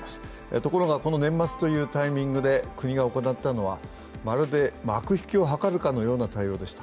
ところが、この年末というタイミングで国が行ったのはまるで幕引きを図るかのような対応でした。